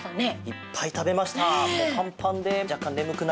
いっぱい食べました。